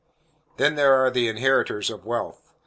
Then there are the inheritors of wealth.